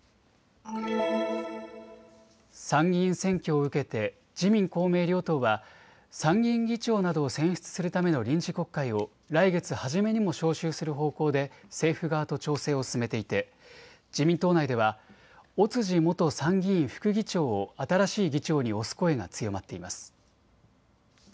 参議院選挙を受けて自民公明両党は参議院議長などを選出するための臨時国会を来月初めにも召集する方向で政府側と調整を進めていて自民党内では尾辻元参議院副議長を新しい議長に推す声が強まっています。